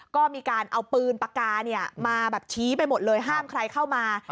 ก็มีการเอาปืนปากกามาแบบชี้ไปหมดเลยห้ามใครเข้ามา